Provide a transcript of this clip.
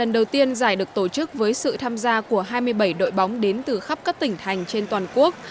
đầu tiên giải được tổ chức với sự tham gia của hai mươi bảy đội bóng đến từ khắp các tỉnh thành trên toàn quốc